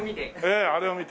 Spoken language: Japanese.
あれを見て。